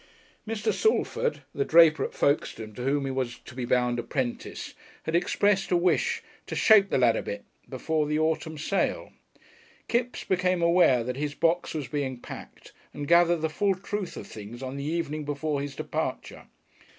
Mr. Shalford, the draper at Folkestone to whom he was to be bound apprentice, had expressed a wish to "shape the lad a bit" before the autumn sale. Kipps became aware that his box was being packed, and gathered the full truth of things on the evening before his departure.